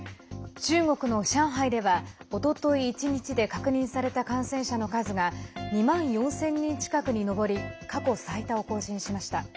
中国の上海では、おととい１日で確認された感染者の数が２万４０００人近くに上り過去最多を更新しました。